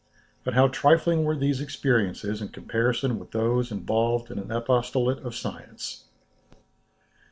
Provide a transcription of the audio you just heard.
But how trifling were these experiences in comparison with those involved in an apostolate of science!